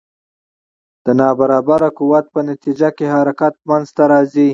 د نا برابر قوت په نتیجه کې حرکت منځته راځي.